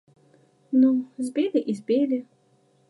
Ну, збілі і збілі.